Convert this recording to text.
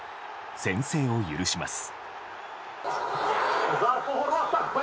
先制を許します。